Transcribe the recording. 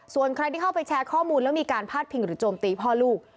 ส่วนใครที่เข้าไปแชร์ข้อมูลแล้วมีการพาดพิงหรือโจมตีพ่อลูก